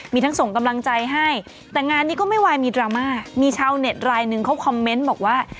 มีทั้งส่งกำลังใจให้แต่งานนี้ก็ไม่วายมีดราม่ามีชาวเน็ตรายหนึ่งเขาคอมเมนต์บอกว่า